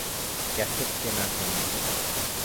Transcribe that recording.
Cassette কেনার জন্য।